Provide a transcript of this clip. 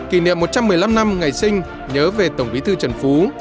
kỷ niệm một trăm một mươi năm năm ngày sinh nhớ về tổng bí thư trần phú